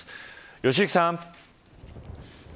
良幸さん。